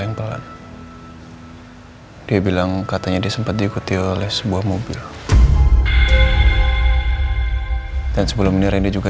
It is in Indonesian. yang pelan hai dia bilang katanya dia sempat diikuti oleh sebuah mobil dan sebelumnya dia juga